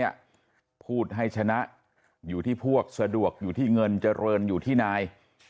พูดให้ชนะอยู่ที่พวกสะดวกอยู่ที่เงินเจริญอยู่ที่นาย